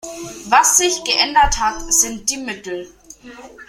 Was sich geändert hat, sind die Mittel.